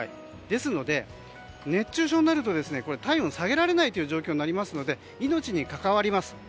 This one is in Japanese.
ですので熱中症になると体温を下げられない状況になりますので命にかかわります。